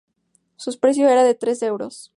Su precio era de tres euros.